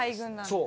そう。